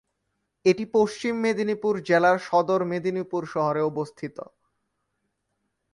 এটি পশ্চিম মেদিনীপুর জেলার সদর মেদিনীপুর শহরে অবস্থিত।